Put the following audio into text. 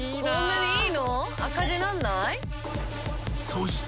［そして］